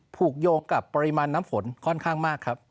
ผูกโยงกับปริมาณน้ำฝนค่อนข้างมากครับ